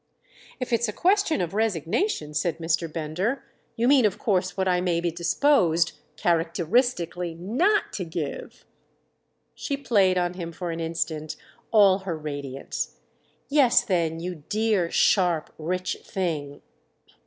"If it's a question of resignation," said Mr. Bender, "you mean of course what I may be disposed—characteristically!—not to give." She played on him for an instant all her radiance. "Yes then, you dear sharp rich thing!"